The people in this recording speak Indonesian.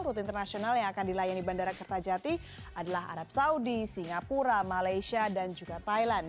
rute internasional yang akan dilayani bandara kertajati adalah arab saudi singapura malaysia dan juga thailand